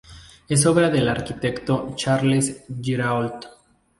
Es obra del arquitecto Charles Girault.